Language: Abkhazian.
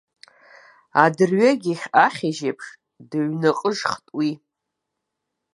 Адырҩегьых ахьажь еиԥш дҩынҟәжыхт уи.